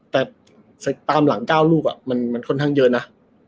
แต่ตามหลัง๙ลูกมันค่อนข้างเยอะนะ